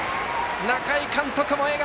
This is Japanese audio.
仲井監督も笑顔。